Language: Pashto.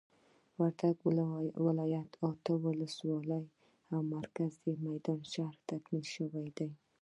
وردګ ولايت له اته ولسوالیو او مرکز میدان شهر تکمیل شوي دي.